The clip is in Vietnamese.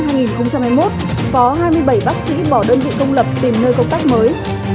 trong ba tháng đầu năm hai nghìn hai mươi một có hai mươi bảy bác sĩ bỏ đơn vị công lập tìm nơi công tác mới